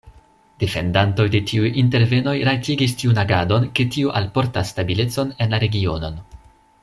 Defendantoj de tiuj intervenoj rajtigis tiun agadon, ke tio alportas stabilecon en la regionon.